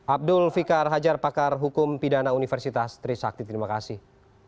abdul fikar hajar pakar hukum pidana universitas trisakti terima kasih